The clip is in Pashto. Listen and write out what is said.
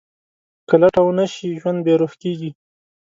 که لټه ونه شي، ژوند بېروح کېږي.